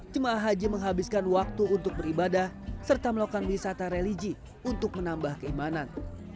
jemaah haji menghabiskan waktu untuk beribadah serta melakukan wisata religi untuk menambah keimanan